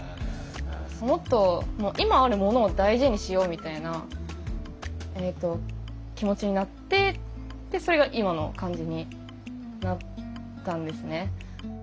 もっと今あるものを大事にしようみたいな気持ちになってでそれが今の感じになったんですね。